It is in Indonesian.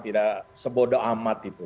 tidak sebodo amat itu